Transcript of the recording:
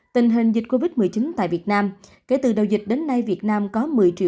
tình hình dịch covid một mươi chín tại việt nam kể từ đầu dịch đến nay việt nam có một mươi một trăm sáu mươi chín